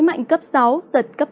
mạnh cấp sáu giật cấp tám